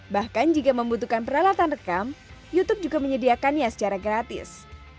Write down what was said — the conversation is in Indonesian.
bahkan jika membutuhkan peralatan rekam youtube juga menyediakannya secara gratis